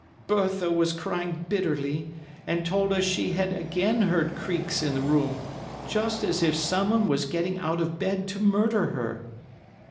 Bertha was crying bitterly, and told us she had again heard creaks in the room, just as if someone was getting out of bed to murder her.